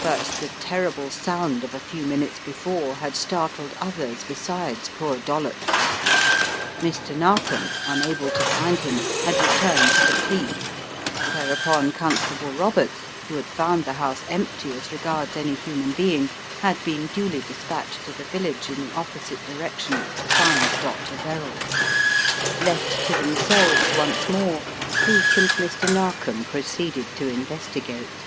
But the terrible sound of a few minutes before had startled others besides poor Dollops. Mr. Narkom, unable to find him, had returned to Cleek, whereupon Constable Roberts, who had found the house empty as regards any human being, had been duly dispatched to the village in the opposite direc tion to find Dr. Verrall. Left to themselves once more, Cleek and Mr. Narkom proceeded to investigate.